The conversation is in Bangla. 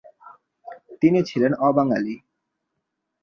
তিনি ছিলেন অবাঙালি।